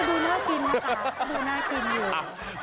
อื้อก็ดูน่ากินนะคะก็ดูน่ากินอยู่